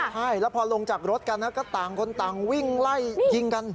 ใช่แล้วพอลงจากรถกันก็ต่างคนต่างวิ่งไล่ยิงกัน